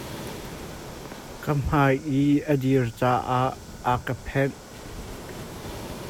Ka hmai i a dir caah a ka phenh.